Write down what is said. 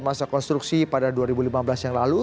masa konstruksi pada dua ribu lima belas yang lalu